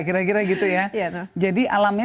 kira kira gitu ya jadi alamnya